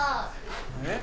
えっ？